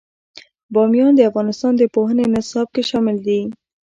بامیان د افغانستان د پوهنې نصاب کې شامل دي.